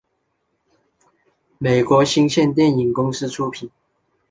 美国新线电影公司出品。